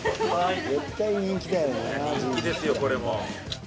いや人気ですよこれも。